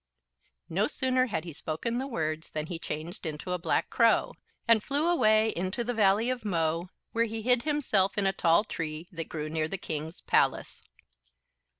"_ No sooner had he spoken the words than he changed into a Black Crow, and flew away into the Valley of Mo, where he hid himself in a tall tree that grew near the King's palace.